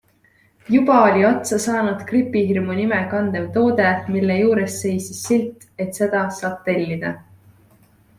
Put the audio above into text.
Juba oli otsa saanud Gripihirmu nime kandev toode, mille juures seisis silt, et seda saab tellida.